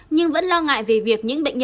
nhưng vẫn lo ngại về việc những bệnh nhân